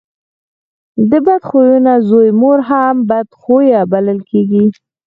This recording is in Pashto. د بد خويه زوی مور هم بد خويه بلل کېږي.